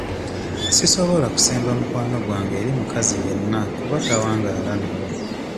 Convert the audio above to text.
Sisobola kusemba mukwano gwange eri mukazi yenna kuba tawangaala nabo.